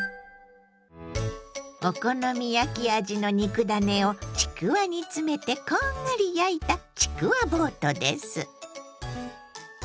お好み焼き味の肉ダネをちくわに詰めてこんがり焼いたちくわボートです。